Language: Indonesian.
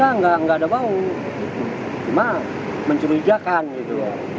enggak enggak ada bau cuma mencurigakan gitu